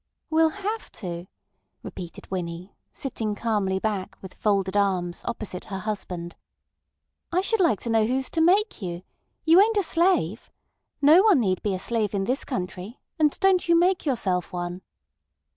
"Will have to," repeated Winnie, sitting calmly back, with folded arms, opposite her husband. "I should like to know who's to make you. You ain't a slave. No one need be a slave in this country—and don't you make yourself one."